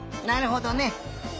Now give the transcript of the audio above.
なるほどね！